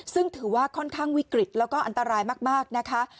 ซึ่งถือว่าค่อนข้างวิกฤตแล้วก็อันตรายมากนะคะ